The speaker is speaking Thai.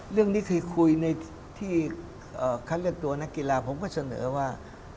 เรื่องนี้คือคุยในที่คัดเลือกตัวนักกีฬาผมก็เสนอว่า